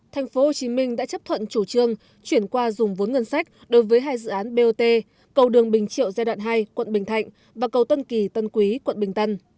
thành phố hồ chí minh đã chấp thuận chủ trương chuyển qua dùng vốn ngân sách đối với hai dự án bot cầu đường bình triệu giai đoạn hai quận bình thạnh và cầu tân kỳ tân quý quận bình tân